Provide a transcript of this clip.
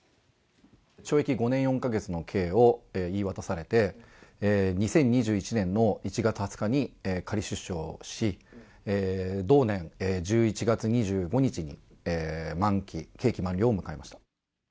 懲役５年４か月の刑を言い渡されて、２０２１年の１月２０日に仮出所し、同年１１月２５日に満期、刑期満了を迎えました。